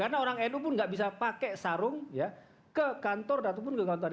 karena orang edu pun nggak bisa pakai sarung ke kantor ataupun ke kantor dpr